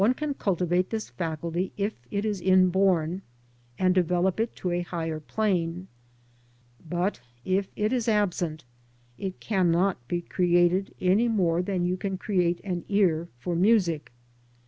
One can cultivate this faculty "IT* Tt'ls' inborn, and^deveTop it to a higher plane ; but if it is absent it cannot be created any more than you can create an ear for music.